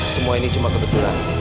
semua ini cuma kebetulan